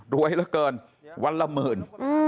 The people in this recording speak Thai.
เหลือเกินวันละหมื่น